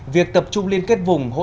việc tập trung liên kết vùng